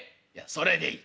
「それでいい」。